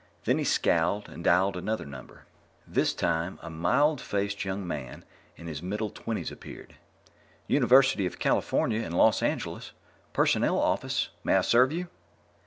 Then he scowled and dialed another number. This time, a mild faced young man in his middle twenties appeared. "University of California in Los Angeles. Personnel Office. May I serve you?"